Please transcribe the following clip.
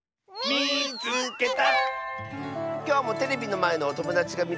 「みいつけた！」。